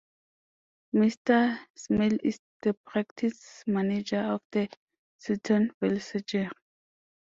Mister Smail is the Practice Manager of the Sutton Vale surgery.